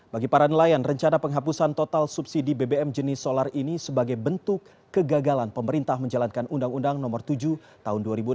bagi para nelayan rencana penghapusan total subsidi bbm jenis solar ini sebagai bentuk kegagalan pemerintah menjalankan undang undang nomor tujuh tahun dua ribu enam belas